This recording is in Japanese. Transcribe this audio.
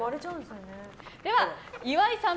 では岩井さん